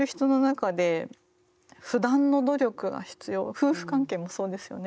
夫婦関係もそうですよね。